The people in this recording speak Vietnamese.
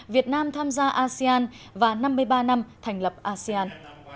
việt nam tham gia asean và năm mươi ba năm thành lập asean